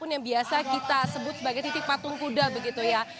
yang biasa kita sebut sebagai titik patung kuda begitu ya